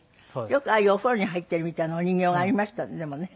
よくああいうお風呂に入っているみたいなお人形がありましたねでもね。